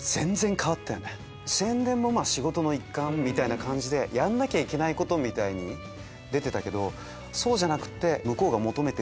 宣伝も仕事の一環みたいな感じでやんなきゃいけないことみたいに出てたけどそうじゃなくって。